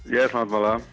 ya selamat malam